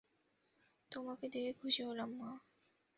তোমাকে দেখে খুশি হলাম, মা।